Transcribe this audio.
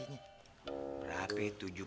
aku serip dia